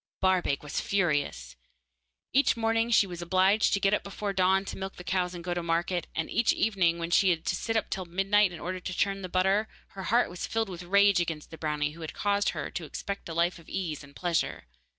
Barbaik was furious. Each morning when she was obliged to get up before dawn to milk the cows and go to market, and each evening when she had to sit up till midnight in order to churn the butter, her heart was filled with rage against the brownie who had caused her to expect a life of ease and pleasure.